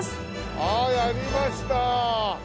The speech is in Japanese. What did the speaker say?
あっやりました！